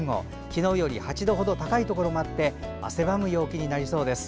昨日より８度ほど高いところもあって汗ばむ陽気になりそうです。